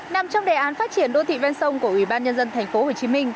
nằm trong đề án phát triển đô thị bên sông của ubnd tp hcm